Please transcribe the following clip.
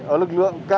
ở lực lượng k hai